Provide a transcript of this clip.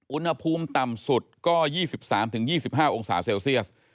อุณหภูมิต่ำสุดก็๒๓๒๕องศาเซลเซียส